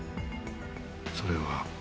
それは。